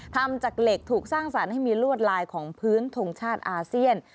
ทำจากเหล็กถูกสร้างสรรค์ให้มีลวดลายของพื้นทงชาติอาเซียน